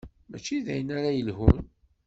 Mačči d ayen ara yelhun.